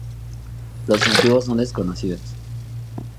Los motivos son desconocidos.